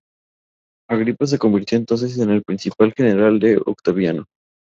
Agripa se convirtió entonces en el principal general de Octaviano.